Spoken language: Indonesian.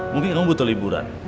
mungkin kamu butuh liburan